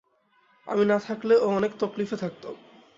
আমি না থাকলে, ও অনেক তকলিফে থাকতো।